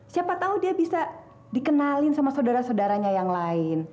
siapa tahu dia bisa dikenalin sama saudara saudaranya yang lain